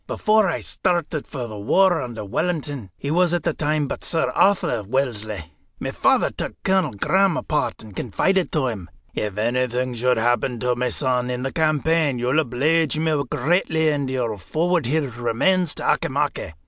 Before I started for the war under Wellington he was at the time but Sir Arthur Wellesley my father took Colonel Graham apart and confided to him: 'If anything should happen to my son in the campaign, you'll obleege me greatly if you will forward his remains to Auchimachie.